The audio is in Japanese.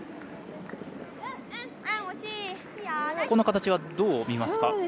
この形はどう見ますか？